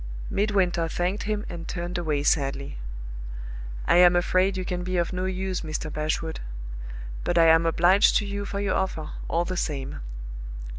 Midwinter thanked him and turned away sadly. "I am afraid you can be of no use, Mr. Bashwood but I am obliged to you for your offer, all the same."